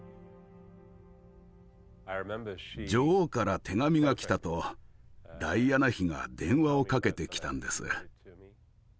「女王から手紙が来た」とダイアナ妃が電話をかけてきたんです。